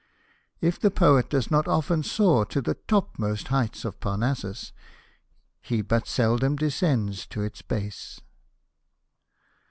If the poet does not often soar to the topmost heights of Parnassus, he but seldom descends to its base.